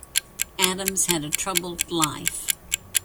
Adams had a troubled life.